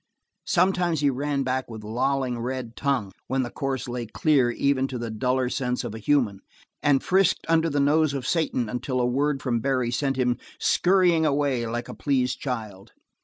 Sometimes he ran back with lolling, red tongue, when the course lay clear even to the duller sense of a human, and frisked under the nose of Satan until a word from Barry sent him scurrying away like a pleased child.